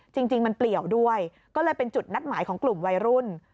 จริงมันเปลี่ยวด้วยก็เลยเป็นจุดนัดหมายของกลุ่มวัยรุ่น